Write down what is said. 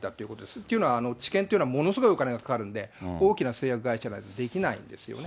っていうのは、治験っていうのはものすごいお金がかかるんで、大きな製薬会社じゃないとできないんですよね。